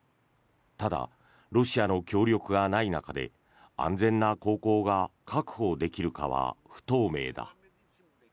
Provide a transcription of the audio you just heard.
ただ、ロシアの協力がない中で安全な航行が確保できるかは不透明だ。